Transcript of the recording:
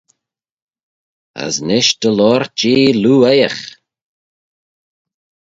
As nish dy loayrt jeh loo-oaiagh.